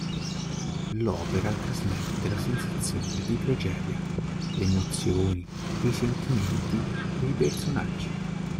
L'opera trasmette la sensazione di tragedia, le emozioni e i sentimenti dei personaggi.